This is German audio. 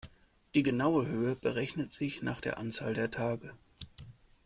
Die genaue Höhe berechnet sich nach der Anzahl der Tage.